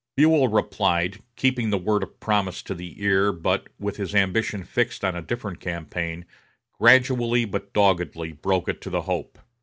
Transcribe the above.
Buell replied, keeping the word of promise to the ear, but, with his ambition fixed on a different campaign, gradually but doggedly broke it to the hope.